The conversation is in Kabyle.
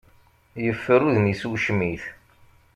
Yeffer udem-is ucmit.